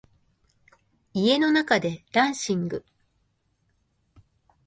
家の中でダンシング